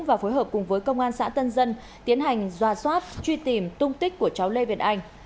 và phối hợp cùng với công an xã tân dân tiến hành doa soát truy tìm tung tích của cháu lê việt anh